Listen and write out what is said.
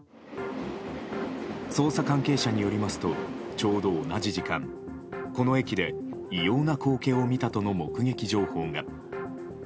捜査関係者によりますとちょうど同じ時間この駅で、異様な光景を見たとの目撃情報が。